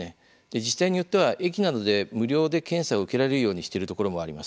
自治体によっては駅などで無料で検査を受けられるようにしているところもあります。